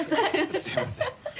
すみません。